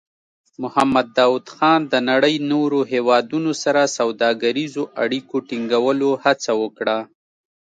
محمد داؤد خان د نړۍ نورو هېوادونو سره سوداګریزو اړیکو ټینګولو هڅه وکړه.